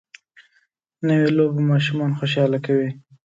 نوې لوبه ماشومان خوشحاله کوي